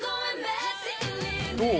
どう？